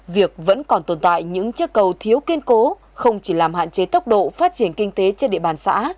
việc vẫn còn tồn tại những chiếc cầu thiếu kiên cố không chỉ làm hạn chế tốc độ phát triển kinh tế trên địa bàn xã